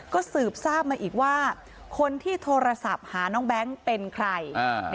ก็สืบทราบมาอีกว่าคนที่โทรศัพท์หาน้องแบงค์เป็นใคร